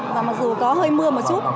và mặc dù có hơi mưa một chút